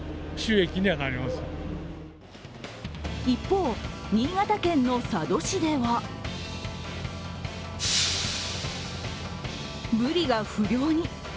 一方、新潟県の佐渡市ではぶりが不漁に。